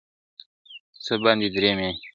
څه باندي درې میاشتي !.